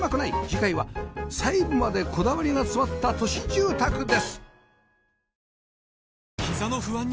次回は細部までこだわりが詰まった都市住宅です